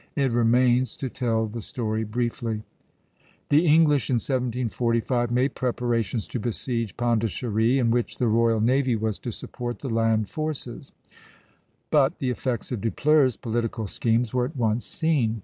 It remains to tell the story briefly. The English, in 1745, made preparations to besiege Pondicherry, in which the royal navy was to support the land forces; but the effects of Dupleix's political schemes were at once seen.